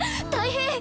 大変！